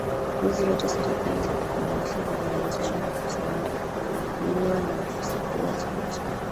hizo zote serikali za kikomunisti zilianzishwa na kusimamiwa na ofisi kuu ya chama cha